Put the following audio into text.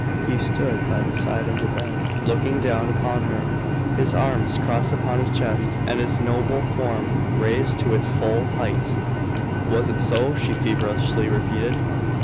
He stood by the side of the bed, looking down upon her, his arms crossed upon his chest, and his noble form raised to its full height. "Was it so?" she feverishly repeated.